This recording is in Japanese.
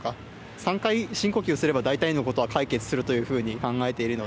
３回深呼吸すれば大体の事は解決するというふうに考えているので。